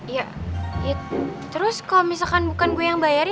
ya ya terus kalau misalkan bukan gue yang bayarin